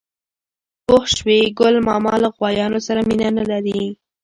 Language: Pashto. _پوه شوې؟ ګل ماما له غوايانو سره مينه نه لري.